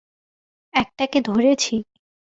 একটা কে ধরেছি!